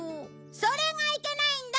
それがいけないんだ！